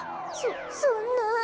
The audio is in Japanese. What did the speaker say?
そそんな。